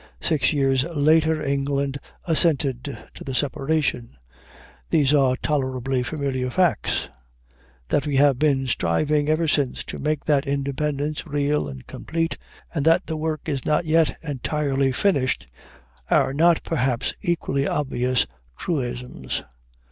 Six years later, England assented to the separation. These are tolerably familiar facts. That we have been striving ever since to make that independence real and complete, and that the work is not yet entirely finished, are not, perhaps, equally obvious truisms.